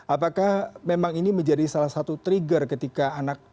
apakah memang ini menjadi salah satu trigger ketika anak